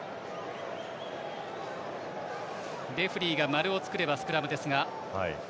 レフリーが丸を作ればスクラムですが。